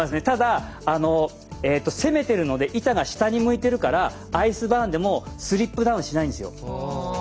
ただ攻めているので板が下を向いているからアイスバーンでもスリップダウンしないんですよ。